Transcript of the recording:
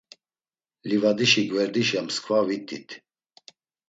Livadişi gverdişa msǩva vit̆it.